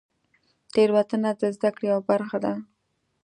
تېروتنه د زدهکړې یوه برخه ده.